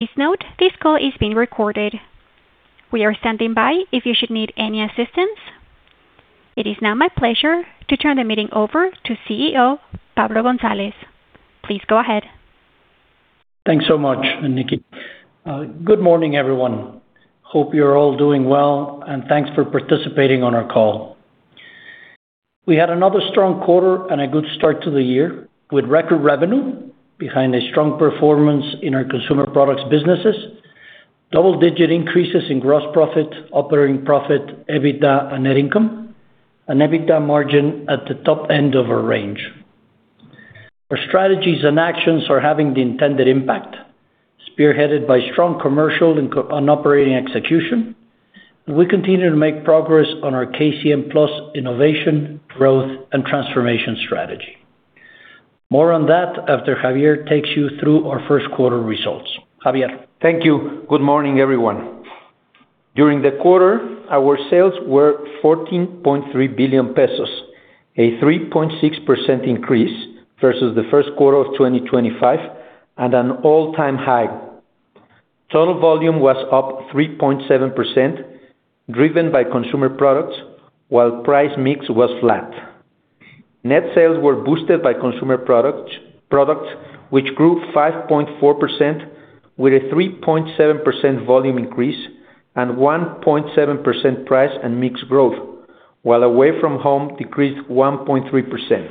Please note this call is being recorded. We are standing by if you should need any assistance. It is now my pleasure to turn the meeting over to CEO Pablo González. Please go ahead. Thanks so much, Nikki. Good morning, everyone. Hope you're all doing well, and thanks for participating on our call. We had another strong quarter and a good start to the year with record revenue behind a strong performance in our consumer products businesses, double-digit increases in gross profit, operating profit, EBITDA, and net income, and EBITDA margin at the top end of our range. Our strategies and actions are having the intended impact, spearheaded by strong commercial and operating execution. We continue to make progress on our KCM Plus innovation, growth, and transformation strategy. More on that after Xavier takes you through our first quarter results. Xavier? Thank you. Good morning, everyone. During the quarter, our sales were 14.3 billion pesos, a 3.6% increase versus the first quarter of 2025, and an all-time high. Total volume was up 3.7%, driven by consumer products while price mix was flat. Net sales were boosted by consumer products, which grew 5.4% with a 3.7% volume increase and 1.7% price and mixed growth, while away from home decreased 1.3%.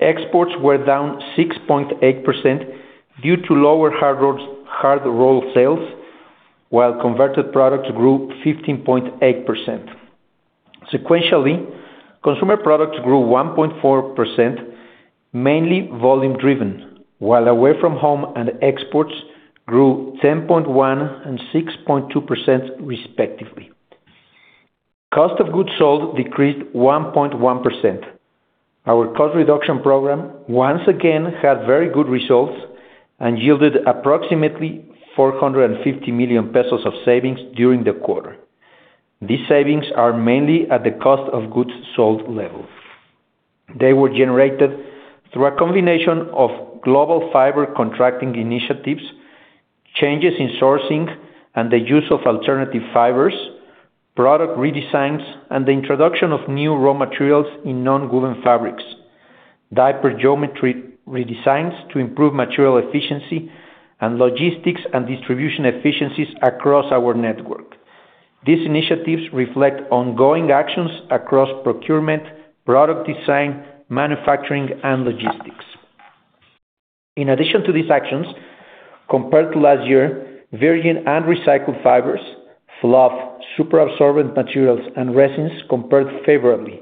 Exports were down 6.8% due to lower hard roll sales, while converted products grew 15.8%. Sequentially, consumer products grew 1.4%, mainly volume driven, while away from home and exports grew 10.1% and 6.2% respectively. Cost of goods sold decreased 1.1%. Our cost reduction program once again had very good results and yielded approximately 450 million pesos of savings during the quarter. These savings are mainly at the cost of goods sold level. They were generated through a combination of global fiber contracting initiatives, changes in sourcing, and the use of alternative fibers, product redesigns, and the introduction of new raw materials in non-woven fabrics, diaper geometry redesigns to improve material efficiency, and logistics and distribution efficiencies across our network. These initiatives reflect ongoing actions across procurement, product design, manufacturing, and logistics. In addition to these actions, compared to last year, virgin and recycled fibers, fluff, super absorbent materials, and resins compared favorably.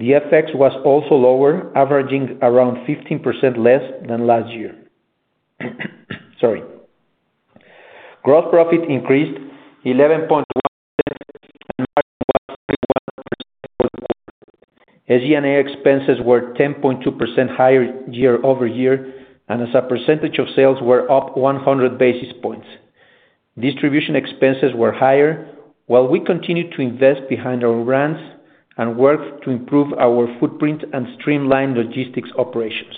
The FX was also lower, averaging around 15% less than last year. Sorry. Gross profit increased 11.1%, and margin was 31%. SG&A expenses were 10.2% higher year-over-year, and as a percentage of sales were up 100 basis points. Distribution expenses were higher, while we continued to invest behind our brands and work to improve our footprint and streamline logistics operations.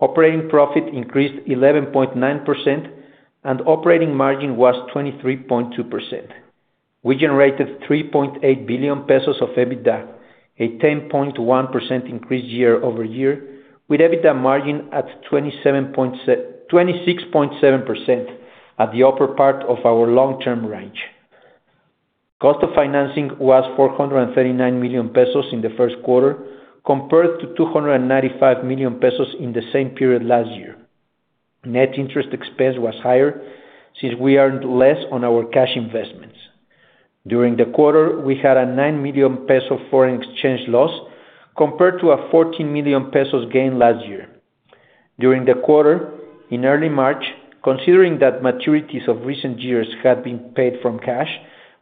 Operating profit increased 11.9%, and operating margin was 23.2%. We generated 3.8 billion pesos of EBITDA, a 10.1% increase year-over-year, with EBITDA margin at 26.7% at the upper part of our long-term range. Cost of financing was 439 million pesos in the first quarter, compared to 295 million pesos in the same period last year. Net interest expense was higher since we earned less on our cash investments. During the quarter, we had a 9 million peso foreign exchange loss compared to a 14 million pesos gain last year. During the quarter, in early March, considering that maturities of recent years had been paid from cash,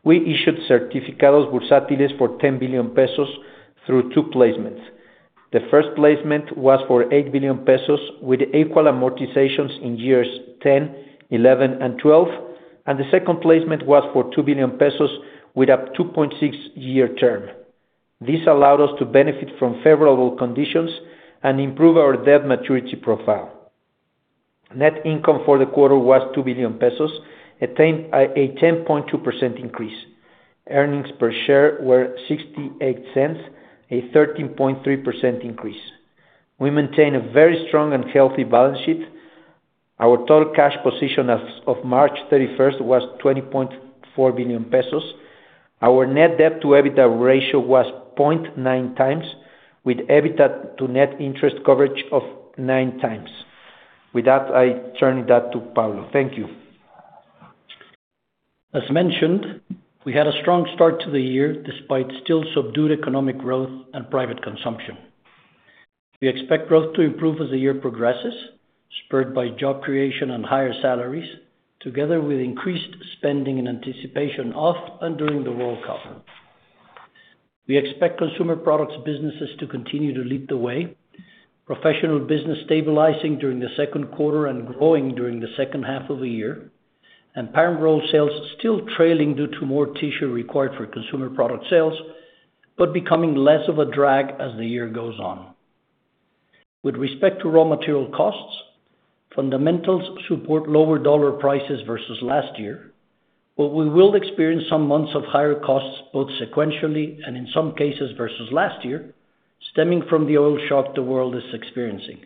we issued Certificados Bursátiles for 10 billion pesos through two placements. The first placement was for 8 billion pesos with equal amortizations in years 10, 11, and 12, and the second placement was for 2 billion pesos with a 2.6-year term. This allowed us to benefit from favorable conditions and improve our debt maturity profile. Net income for the quarter was 2 billion pesos, a 10.2% increase. Earnings per share were 0.68, a 13.3% increase. We maintain a very strong and healthy balance sheet. Our total cash position as of March 31st was 20.4 billion pesos. Our net debt to EBITDA ratio was 0.9x, with EBITDA to net interest coverage of 9x. With that, I turn it back to Pablo. Thank you. As mentioned, we had a strong start to the year despite still subdued economic growth and private consumption. We expect growth to improve as the year progresses, spurred by job creation and higher salaries, together with increased spending in anticipation of and during the World Cup. We expect consumer products businesses to continue to lead the way, professional business stabilizing during the second quarter and growing during the second half of the year, and parent roll sales still trailing due to more tissue required for consumer product sales, but becoming less of a drag as the year goes on. With respect to raw material costs, fundamentals support lower dollar prices versus last year, but we will experience some months of higher costs, both sequentially and in some cases versus last year, stemming from the oil shock the world is experiencing.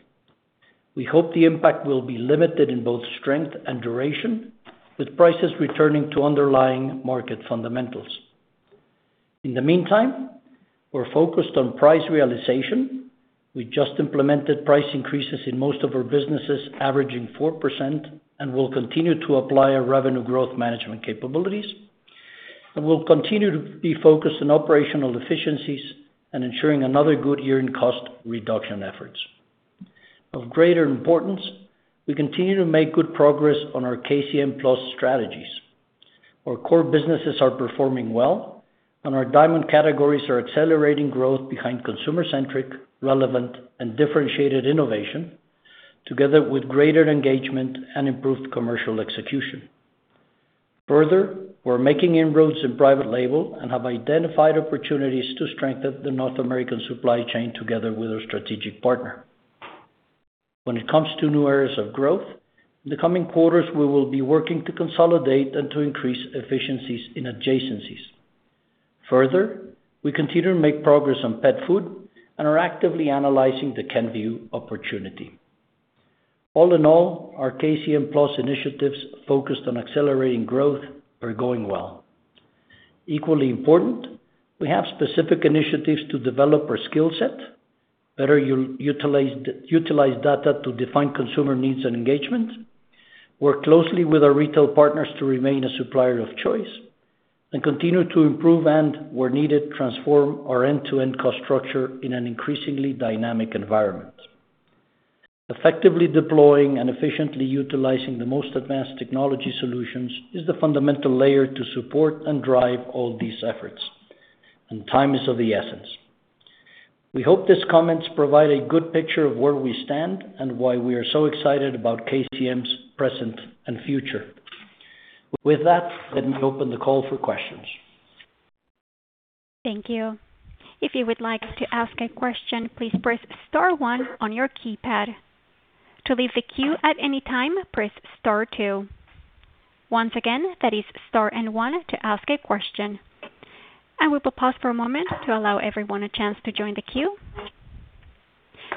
We hope the impact will be limited in both strength and duration, with prices returning to underlying market fundamentals. In the meantime, we're focused on price realization. We just implemented price increases in most of our businesses, averaging 4%, and will continue to apply our revenue growth management capabilities. We'll continue to be focused on operational efficiencies and ensuring another good year in cost reduction efforts. Of greater importance, we continue to make good progress on our KCM Plus strategies. Our core businesses are performing well, and our diamond categories are accelerating growth behind consumer-centric, relevant, and differentiated innovation, together with greater engagement and improved commercial execution. Further, we're making inroads in private label and have identified opportunities to strengthen the North American supply chain together with our strategic partner. When it comes to new areas of growth, in the coming quarters, we will be working to consolidate and to increase efficiencies in adjacencies. Further, we continue to make progress on pet food and are actively analyzing the Kenvue opportunity. All in all, our KCM Plus initiatives focused on accelerating growth are going well. Equally important, we have specific initiatives to develop our skill set, better utilize data to define consumer needs and engagement, work closely with our retail partners to remain a supplier of choice, and continue to improve and, where needed, transform our end-to-end cost structure in an increasingly dynamic environment. Effectively deploying and efficiently utilizing the most advanced technology solutions is the fundamental layer to support and drive all these efforts, and time is of the essence. We hope these comments provide a good picture of where we stand and why we are so excited about KCM's present and future. With that, let me open the call for questions. Thank you. If you would like to ask a question, please press star one on your keypad. To leave the queue at any time, press star two. Once again, that is star and one to ask a question. We will pause for a moment to allow everyone a chance to join the queue.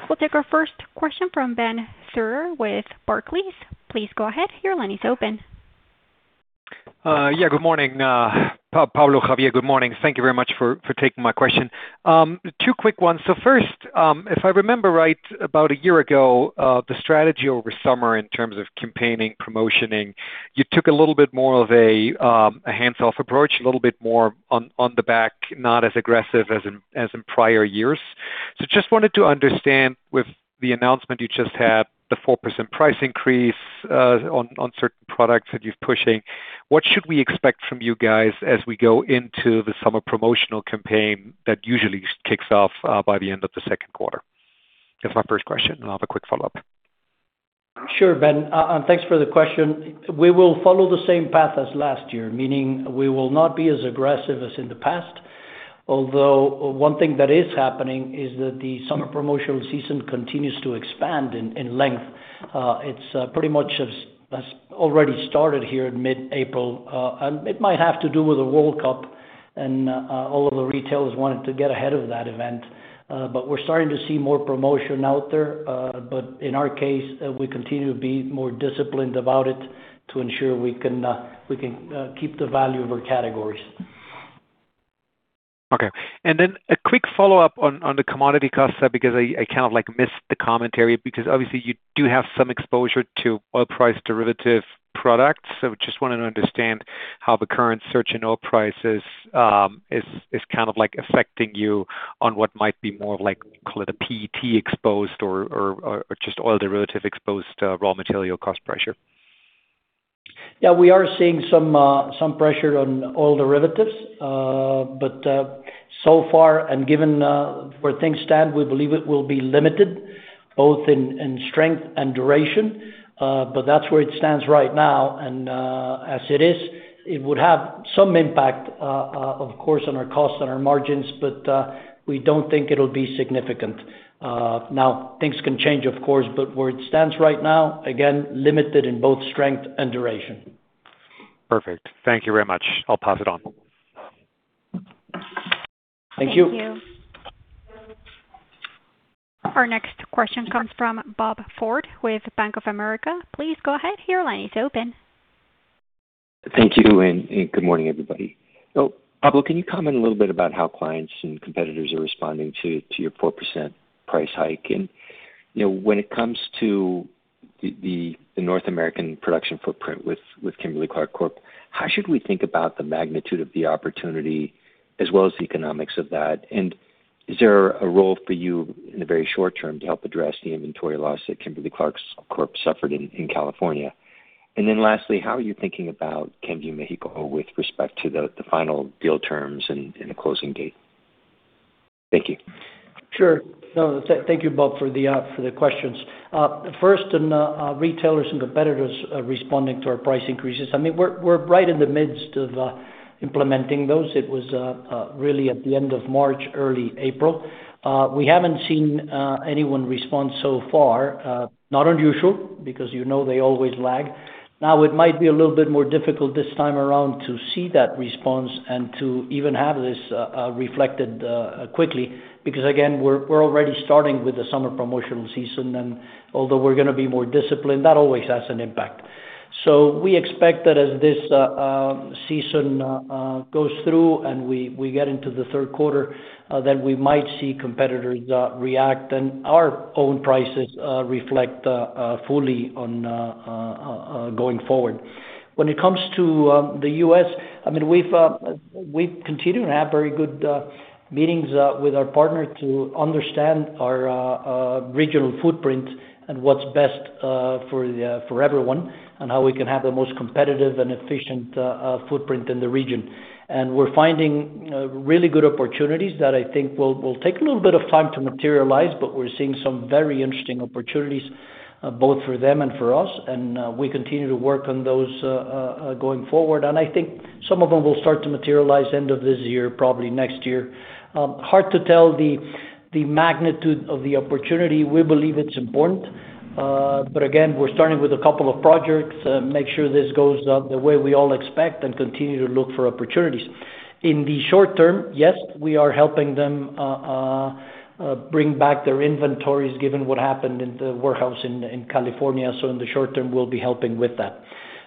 We'll take our first question from Ben Theurer with Barclays. Please go ahead. Your line is open. Yeah, good morning, Pablo, Xavier, good morning. Thank you very much for taking my question. Two quick ones. First, if I remember right, about a year ago, the strategy over summer in terms of campaigning, promotions, you took a little bit more of a hands-off approach, a little bit more on the back burner, not as aggressive as in prior years. Just wanted to understand with the announcement you just had, the 4% price increase on certain products that you're pushing, what should we expect from you guys as we go into the summer promotional campaign that usually kicks off by the end of the second quarter. That's my first question, and I'll have a quick follow-up. Sure, Ben. Thanks for the question. We will follow the same path as last year, meaning we will not be as aggressive as in the past. Although one thing that is happening is that the summer promotional season continues to expand in length. It pretty much has already started here in mid-April. It might have to do with the World Cup and all of the retailers wanting to get ahead of that event. We're starting to see more promotion out there. In our case, we continue to be more disciplined about it to ensure we can keep the value of our categories. Okay. A quick follow-up on the commodity cost side, because I kind of missed the commentary, because obviously you do have some exposure to oil price derivative products. Just wanted to understand how the current surge in oil prices is affecting you on what might be more of like, call it a PET exposed or just oil derivative exposed raw material cost pressure. Yeah, we are seeing some pressure on oil derivatives. So far, and given where things stand, we believe it will be limited both in strength and duration. That's where it stands right now. As it is, it would have some impact, of course, on our costs and our margins, but we don't think it'll be significant. Now, things can change, of course, but where it stands right now, again, limited in both strength and duration. Perfect. Thank you very much. I'll pass it on. Thank you. Thank you. Our next question comes from Robert Ford with Bank of America. Please go ahead. Your line is open. Thank you, and good morning, everybody. Pablo, can you comment a little bit about how clients and competitors are responding to your 4% price hike? When it comes to the North American production footprint with Kimberly-Clark Corporation, how should we think about the magnitude of the opportunity as well as the economics of that? Is there a role for you in the very short term to help address the inventory loss that Kimberly-Clark Corp. Suffered in California? Then lastly, how are you thinking about Kenvue Mexico with respect to the final deal terms and the closing date? Thank you. Sure. Thank you, Bob, for the questions. First, on retailers and competitors responding to our price increases. We're right in the midst of implementing those. It was really at the end of March, early April. We haven't seen anyone respond so far. Not unusual, because you know they always lag. Now, it might be a little bit more difficult this time around to see that response and to even have this reflected quickly, because again, we're already starting with the summer promotional season, and although we're going to be more disciplined, that always has an impact. We expect that as this season goes through and we get into the third quarter, then we might see competitors react, and our own prices reflect fully going forward. When it comes to the U.S., we continue to have very good meetings with our partner to understand our regional footprint and what's best for everyone, and how we can have the most competitive and efficient footprint in the region. We're finding really good opportunities that I think will take a little bit of time to materialize, but we're seeing some very interesting opportunities both for them and for us, and we continue to work on those going forward. I think some of them will start to materialize end of this year, probably next year. Hard to tell the magnitude of the opportunity. We believe it's important. Again, we're starting with a couple of projects, make sure this goes the way we all expect and continue to look for opportunities. In the short term, yes, we are helping them bring back their inventories given what happened in the warehouse in California. In the short term, we'll be helping with that.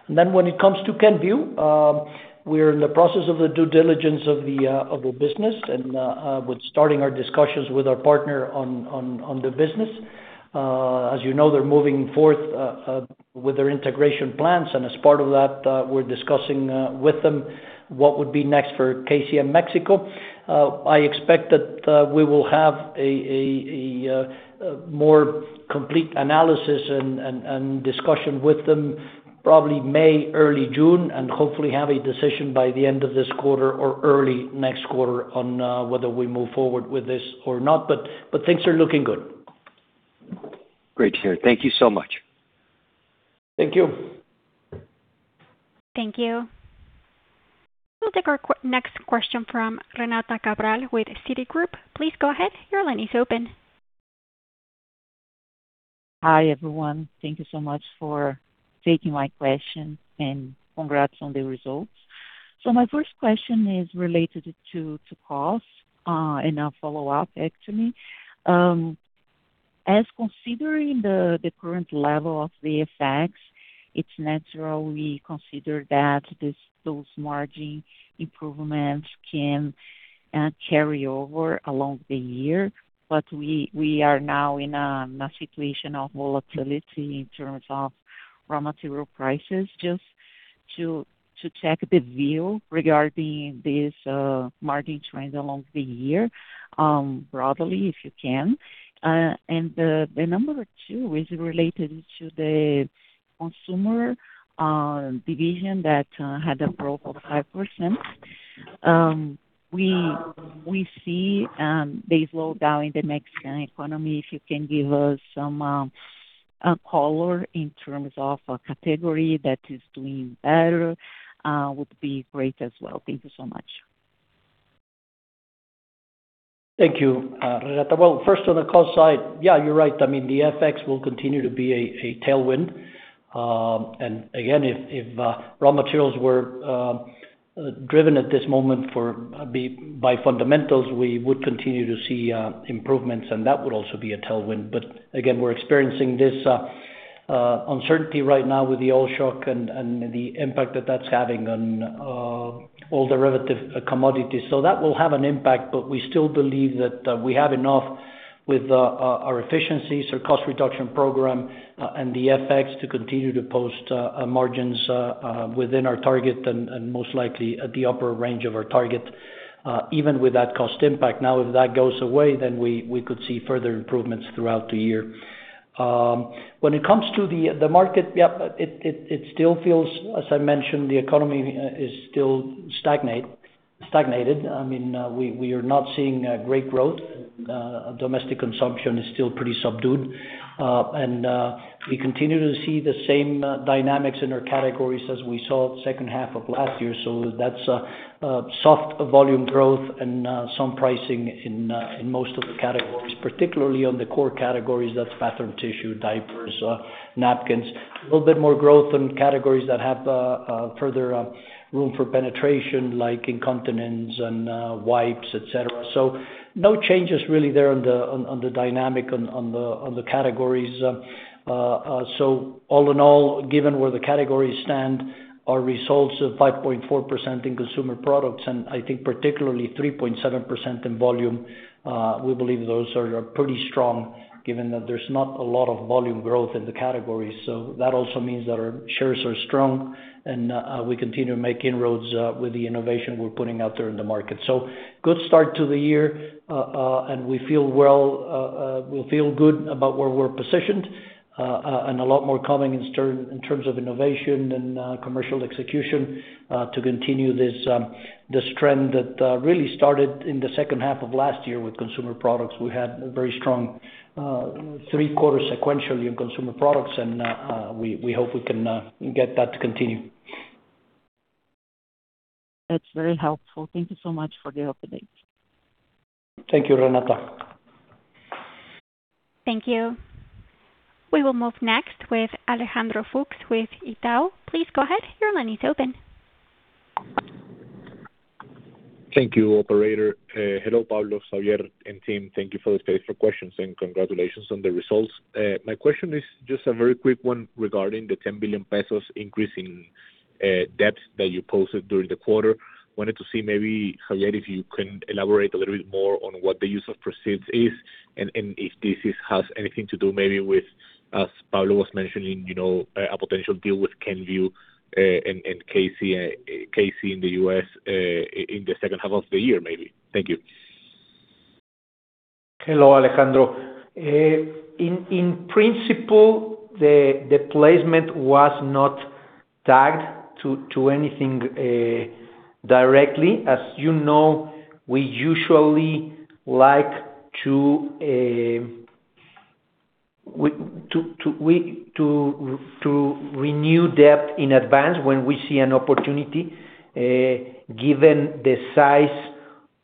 Then when it comes to Kenvue, we're in the process of the due diligence of the business and with starting our discussions with our partner on the business. As you know, they're moving forward with their integration plans, and as part of that, we're discussing with them what would be next for KCM Mexico. I expect that we will have a more complete analysis and discussion with them probably May, early June, and hopefully have a decision by the end of this quarter or early next quarter on whether we move forward with this or not. Things are looking good. Great to hear. Thank you so much. Thank you. Thank you. We'll take our next question from Renata Cabral with Citigroup. Please go ahead. Your line is open. Hi, everyone. Thank you so much for taking my question, and congrats on the results. My first question is related to costs, and I'll follow up, actually. Considering the current level of the effects, it's natural we consider that those margin improvements can carry over along the year. We are now in a situation of volatility in terms of raw material prices. Just to check the view regarding this margin trend along the year, broadly, if you can. The number two is related to the consumer division that had a growth of 5%. We see this slowdown in the Mexican economy. If you can give us some color in terms of a category that is doing better, would be great as well. Thank you so much. Thank you, Renata. Well, first on the cost side, yeah, you're right. The FX will continue to be a tailwind. Again, if raw materials were driven at this moment by fundamentals, we would continue to see improvements, and that would also be a tailwind. Again, we're experiencing this uncertainty right now with the oil shock and the impact that that's having on all derivative commodities. That will have an impact, but we still believe that we have enough with our efficiencies, our cost reduction program, and the FX to continue to post margins within our target and most likely at the upper range of our target even with that cost impact. Now, if that goes away, then we could see further improvements throughout the year. When it comes to the market, it still feels, as I mentioned, the economy is still stagnated. We are not seeing great growth. Domestic consumption is still pretty subdued. We continue to see the same dynamics in our categories as we saw second half of last year. That's soft volume growth and some pricing in most of the categories, particularly on the core categories, that's bathroom tissue, diapers, napkins. A little bit more growth in categories that have further room for penetration, like incontinence and wipes, et cetera. No changes really there on the dynamic on the categories. All in all, given where the categories stand, our results of 5.4% in consumer products, and I think particularly 3.7% in volume, we believe those are pretty strong given that there's not a lot of volume growth in the categories. That also means that our shares are strong and we continue to make inroads with the innovation we're putting out there in the market. Good start to the year, and we feel good about where we're positioned, and a lot more coming in terms of innovation and commercial execution to continue this trend that really started in the second half of last year with consumer products. We had a very strong three quarters sequentially in consumer products, and we hope we can get that to continue. That's very helpful. Thank you so much for the update. Thank you, Renata. Thank you. We will move next with Alejandro Fuchs with Itaú. Please go ahead. Your line is open. Thank you, operator. Hello, Pablo, Xavier, and team. Thank you for the space for questions, and congratulations on the results. My question is just a very quick one regarding the 10 billion pesos increase in debt that you posted during the quarter. I wanted to see maybe, Xavier, if you can elaborate a little bit more on what the use of proceeds is, and if this has anything to do maybe with, as Pablo was mentioning, a potential deal with Kenvue and KCM in the U.S. in the second half of the year, maybe. Thank you. Hello, Alejandro. In principle, the placement was not tagged to anything directly. As you know, we usually like to renew debt in advance when we see an opportunity, given the size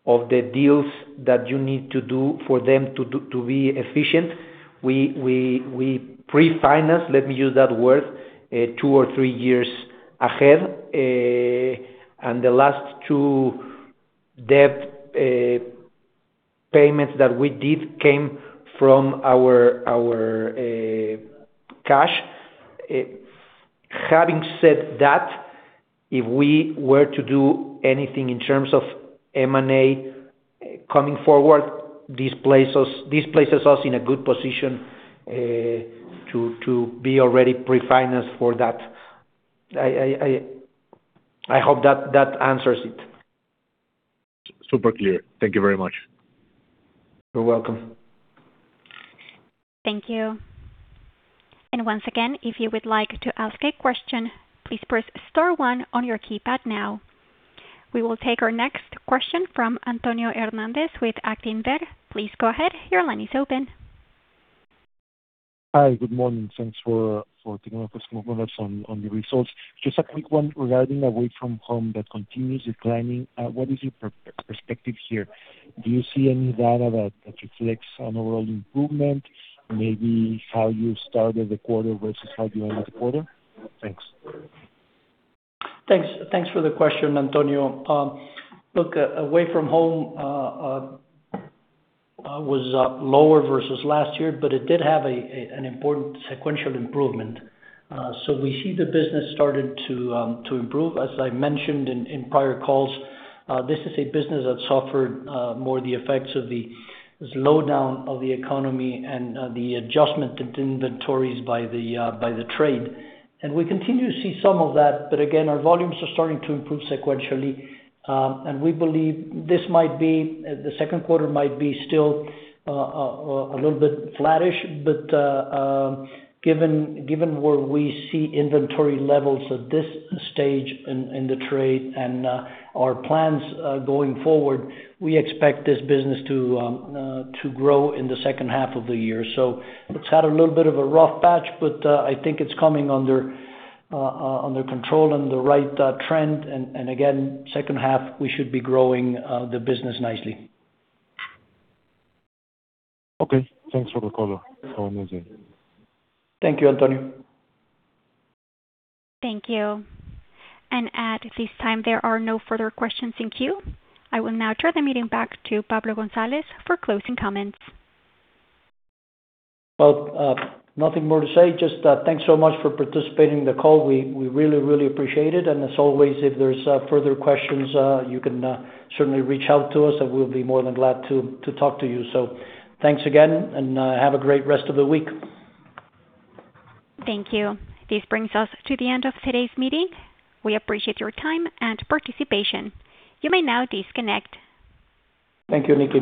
of the deals that you need to do for them to be efficient. We pre-finance, let me use that word, two or three years ahead. The last two debt payments that we did came from our cash. Having said that, if we were to do anything in terms of M&A coming forward, this places us in a good position to be already pre-financed for that. I hope that answers it. Super clear. Thank you very much. You're welcome. Thank you. Once again, if you would like to ask a question, please press star one on your keypad now. We will take our next question from Antonio Hernández with Actinver. Please go ahead. Your line is open. Hi. Good morning. Thanks for taking our first move on the results. Just a quick one regarding away from home that continues declining. What is your perspective here? Do you see any data that reflects on overall improvement, maybe how you started the quarter versus how you ended the quarter? Thanks. Thanks for the question, Antonio. Look, away from home was lower versus last year, but it did have an important sequential improvement. We see the business started to improve. As I mentioned in prior calls, this is a business that suffered more the effects of the slowdown of the economy and the adjustment to inventories by the trade. We continue to see some of that, but again, our volumes are starting to improve sequentially. We believe the second quarter might be still a little bit flattish, but given where we see inventory levels at this stage in the trade and our plans going forward, we expect this business to grow in the second half of the year. It's had a little bit of a rough patch, but I think it's coming under control and the right trend. Again, second half, we should be growing the business nicely. Okay. Thanks for the call. Thank you, Antonio. Thank you. At this time, there are no further questions in queue. I will now turn the meeting back to Pablo González for closing comments. Well, nothing more to say, just thanks so much for participating in the call. We really, really appreciate it. As always, if there's further questions, you can certainly reach out to us and we'll be more than glad to talk to you. Thanks again, and have a great rest of the week. Thank you. This brings us to the end of today's meeting. We appreciate your time and participation. You may now disconnect. Thank you, Nikki.